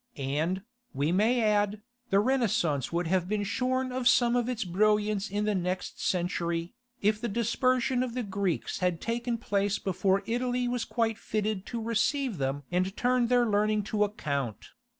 And, we may add, the Renaissance would have been shorn of some of its brilliance in the next century, if the dispersion of the Greeks had taken place before Italy was quite fitted to receive them and turn their learning to account.